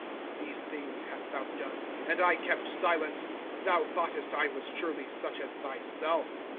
^^ These things hast thou done, and I kept silence. Thou thoughtest I was surely such as thyself.